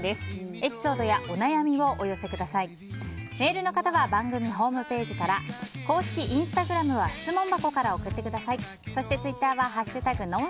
エピソードやお悩みをお寄せください。